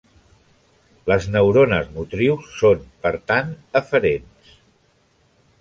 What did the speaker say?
Les neurones motrius són, per tant, eferents.